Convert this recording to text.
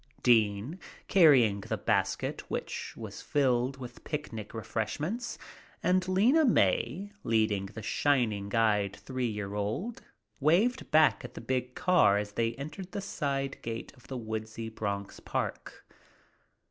Dean, carrying the basket which was well filled with picnic refreshments, and Lena May leading the shining eyed three year old, waved back at the big car as they entered the side gate of the woodsy Bronx Park.